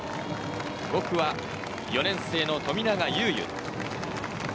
５区は４年生の冨永裕憂。